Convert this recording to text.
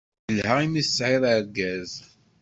Yelha imi tesɛiḍ argaz.